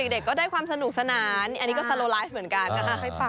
เด็กก็ได้ความสนุกสนานอันนี้ก็สโลไลฟ์เหมือนกันนะคะ